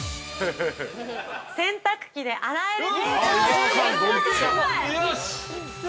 ◆洗濯機で洗えるです。